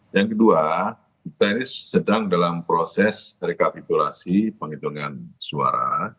yang kedua kita ini sedang dalam proses rekapitulasi penghitungan suara